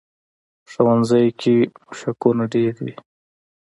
ښوونځی کې مشقونه ډېر وي